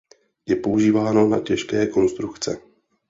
Je používáno na těžké konstrukce.